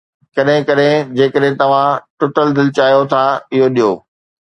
ڪڏهن ڪڏهن، جيڪڏهن توهان ٽٽل دل چاهيو ٿا، اهو ڏيو